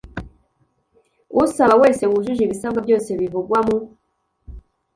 Usaba wese wujuje ibisabwa byose bivugwa mu